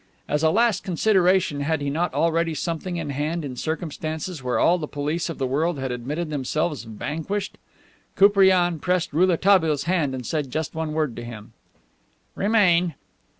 As a last consideration had he not already something in hand in circumstances where all the police of the world had admitted themselves vanquished? Koupriane pressed Rouletabille's hand and said just one word to him: "Remain."